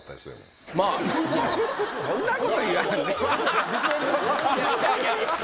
そんなこと言わんでも。